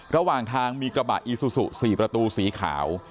ระหว่างทางมีกระบะอีซูซู๔ประตูสีขาว